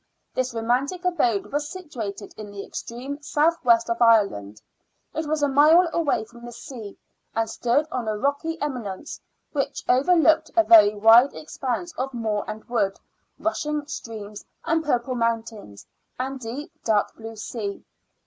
This romantic abode was situated in the extreme south west of Ireland. It was a mile away from the sea, and stood on a rocky eminence which overlooked a very wide expanse of moor and wood, rushing streams and purple mountains, and deep dark blue sea.